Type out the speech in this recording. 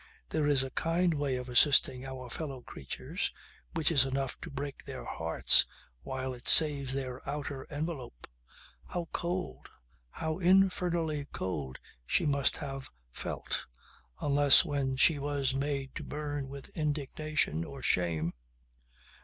There is a kind way of assisting our fellow creatures which is enough to break their hearts while it saves their outer envelope. How cold, how infernally cold she must have felt unless when she was made to burn with indignation or shame.